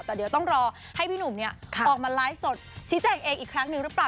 แต่เดี๋ยวต้องรอให้พี่หนุ่มออกมาไลฟ์สดชี้แจงเองอีกครั้งหนึ่งหรือเปล่า